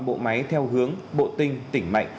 bộ máy theo hướng bộ tinh tỉnh mạnh